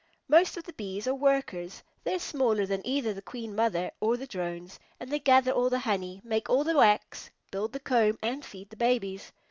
Most of the Bees are Workers. They are smaller than either the Queen Mother or the Drones, and they gather all the honey, make all the wax, build the comb, and feed the babies.